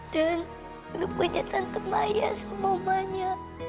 dan udah punya tante maya sama omanya